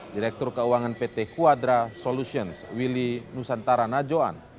direktur keuangan pt quadra solutions willy nusantara najoan